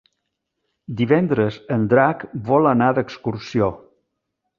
Divendres en Drac vol anar d'excursió.